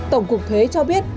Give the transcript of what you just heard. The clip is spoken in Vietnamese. tổng cục thuế cho biết